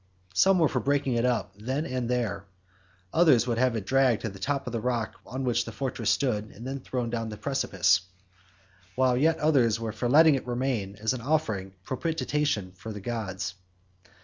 Some were for breaking it up then and there; others would have it dragged to the top of the rock on which the fortress stood, and then thrown down the precipice; while yet others were for letting it remain as an offering and propitiation for the gods.